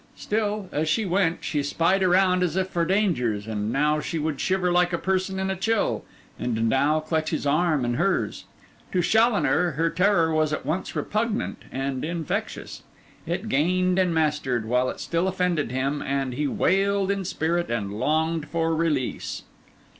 Still, as she went, she spied around as if for dangers; and now she would shiver like a person in a chill, and now clutch his arm in hers. To Challoner her terror was at once repugnant and infectious; it gained and mastered, while it still offended him; and he wailed in spirit and longed for release.